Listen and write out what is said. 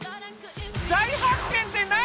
大発見って何？